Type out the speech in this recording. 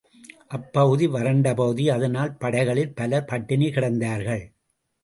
அப்பகுதி வறண்ட பகுதி, அதனால் படைகளில் பலர் பட்டினி கிடந்தார்கள்.